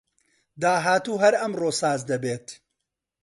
داهاتوو هەر ئەمڕۆ ساز دەبێت